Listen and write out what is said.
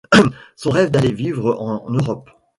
Son rêve d'aller vivre en Europe.